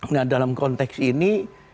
nah dalam konteks ini